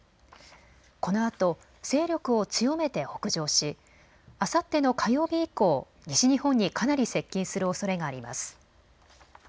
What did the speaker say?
このあと勢力を強めて北上しあさっての火曜日以降、西日本にかなり接近するおそれがあります。